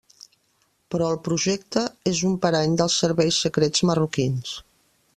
Però el projecte és un parany dels serveis secrets marroquins.